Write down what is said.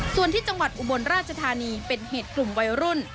ส่วนที่จังหวัดอุบลราชธานีเป็นเหตุกลุ่มวัยรุ่น